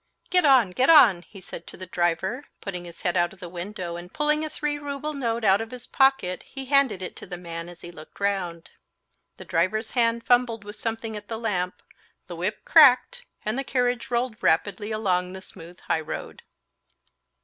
"Get on, get on!" he said to the driver, putting his head out of the window, and pulling a three rouble note out of his pocket he handed it to the man as he looked round. The driver's hand fumbled with something at the lamp, the whip cracked, and the carriage rolled rapidly along the smooth highroad.